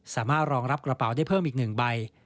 สามารถรองรับกระเป๋าได้เพิ่มอีก๑ใบ